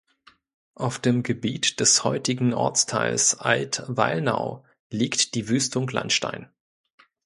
Auf dem Gebiet des heutigen Ortsteils Altweilnau liegt die Wüstung Landstein.